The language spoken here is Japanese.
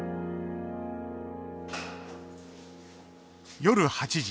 夜８時。